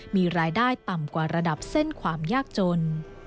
มีรายได้ต่ำกว่าระดับเส้นความยากจน